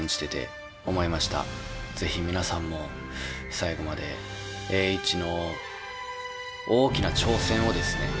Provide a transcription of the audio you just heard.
是非皆さんも最後まで栄一の大きな挑戦をですね